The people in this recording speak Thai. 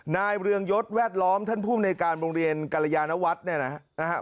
นายเรืองยศแวดล้อมท่านผู้ในการโรงเรียนกรยานวัดเนี่ยนะฮะ